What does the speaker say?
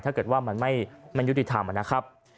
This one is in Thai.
ถ้าเกิดว่ามันไม่ยุติธรรมนะครับ